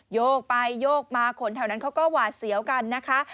โยกไปโยกมาคนแถวนั้นเขาก็หวาดเสียวกันนะคะ